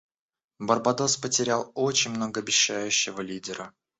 Барбадос потерял очень многообещающего лидера.